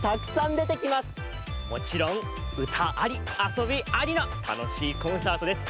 もちろんうたありあそびありのたのしいコンサートです。